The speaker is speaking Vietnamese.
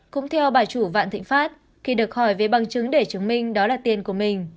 cũng theo bà chủ vạn thịnh pháp khi được hỏi về bằng chứng để chứng minh đó là tiền của mình